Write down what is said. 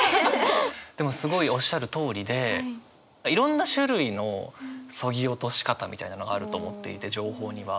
でもすごいおっしゃるとおりでいろんな種類の削ぎ落とし方みたいなのがあると思っていて情報には。